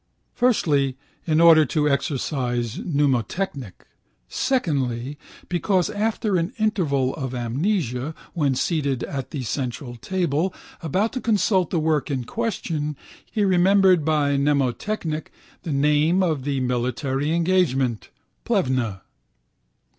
Firstly, in order to exercise mnemotechnic: secondly, because after an interval of amnesia, when, seated at the central table, about to consult the work in question, he remembered by mnemotechnic the name of the military engagement, Plevna.